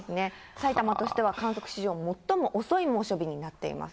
さいたまとしては、観測史上最も遅い猛暑日になっています。